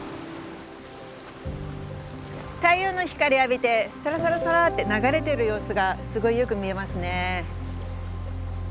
太陽の光浴びてサラサラサラって流れてる様子がすごいよく見えますね。